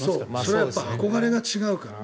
それは憧れが違うから。